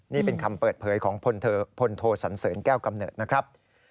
นี่เป็นคำเปิดเผยของพลโทสันเสริญแก้วกำเนิดนะครับ